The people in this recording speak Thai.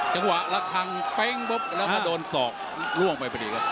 จังหวะระคังเป้งปุ๊บแล้วก็โดนศอกล่วงไปพอดีครับ